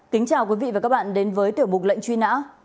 kính chào quý vị và các bạn đến với tiểu mục lệnh truy nã